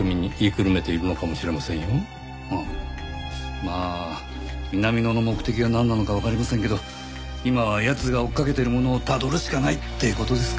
まあ南野の目的がなんなのかわかりませんけど今は奴が追っかけているものをたどるしかないって事ですか。